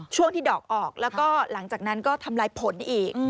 ช่วงที่ดอกออกแล้วก็หลังจากนั้นก็ทำลายผลอีก